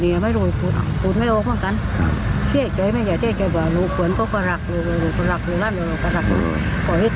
เนี่ยคุณผู้ชมครับปัจเดนบรรถของนาย